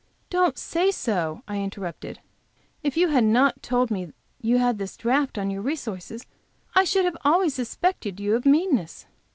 "Don't say so," I interrupted. "If you had not told me you had this draft on your resources I should have always suspected you of meanness.